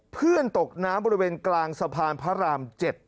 เพื่อนตกน้ำบริเวณกลางสะพานพระราม๗